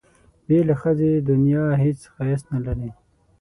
بې له ښځې دنیا هېڅ ښایست نه لري.